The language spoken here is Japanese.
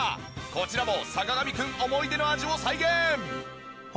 こちらも坂上くん思い出の味を再現！